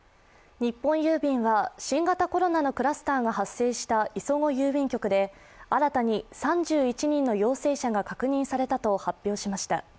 日本郵便は、新型コロナのクラスターが発生した磯子郵便局で新たに３１人の陽性者が確認されたと発表しました。